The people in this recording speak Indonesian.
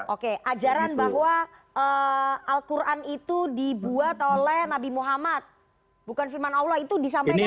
oke ajaran bahwa al quran itu dibuat oleh nabi muhammad bukan firman allah itu disampaikan